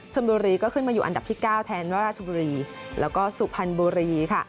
ชนบุรีก็ขึ้นมาอยู่อันดับที่๙แทนราชบุรีแล้วก็สุพรรณบุรีค่ะ